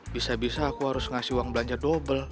bisa bisa aku harus ngasih uang belanja double